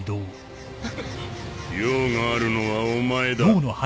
用があるのはお前だ。